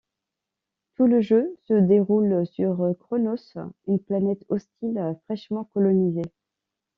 Tout le jeu se déroule sur Cronos, une planète hostile fraichement colonisée.